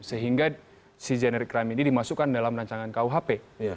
sehingga si generic crime ini dimasukkan dalam rancangan kuhp